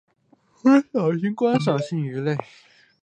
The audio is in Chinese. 为小型观赏性鱼类。